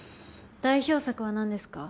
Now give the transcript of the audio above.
代表作はなんですか？